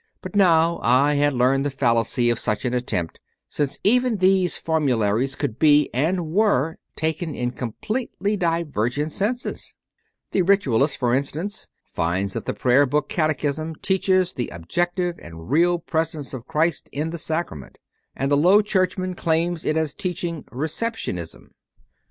But now I had learned the fallacy of such an attempt, since even these formularies could be, and were, taken in completely divergent senses: the Ritualist, for instance, finds that the Prayer Book Catechism teaches the Objective and Real Presence of Christ in the Sacrament, and the Low Churchman claims it as teaching Receptionism.